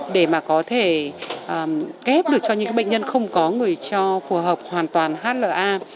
để mà có thể kép được cho những bệnh nhân không có người cho phù hợp hoàn toàn hla